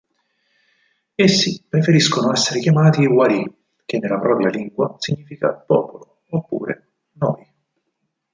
Essi preferiscono essere chiamati Wari', che nella propria lingua significa "popolo", oppure "noi".